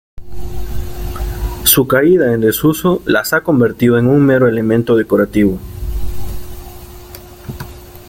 Su caída en desuso las ha convertido en un mero elemento decorativo.